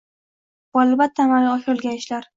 bu albatta amalga oshirilgan ishlar